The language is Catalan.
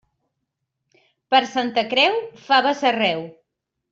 Per Santa Creu, faves arreu.